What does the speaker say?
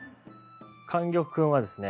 莟玉君はですね